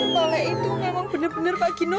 ma ya itu memang benar benar pak gino